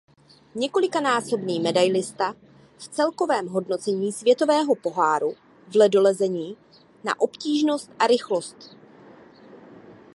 Několikanásobný medailista v celkovém hodnocení světového poháru v ledolezení na obtížnost a rychlost.